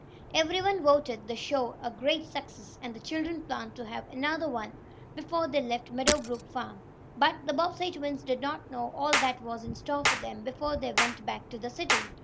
Everyone voted the show a great success, and the children planned to have another one before they left Meadow Brook farm. But the Bobbsey twins did not know all that was in store for them before they went back to the city.